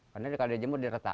karena kalau dijemur diretak